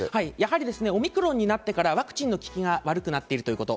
オミクロンになってからワクチンの効きが悪くなっているということ。